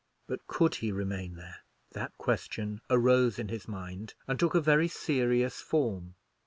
But could he remain there? That question arose in his mind, and took a very serious form.